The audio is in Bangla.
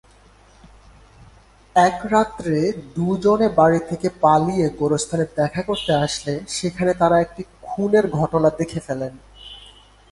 এক রাত্রে দু'জনে বাড়ি থেকে পালিয়ে গোরস্থানে দেখা করতে আসলে সেখানে তারা একটি খুনের ঘটনা দেখে ফেলে।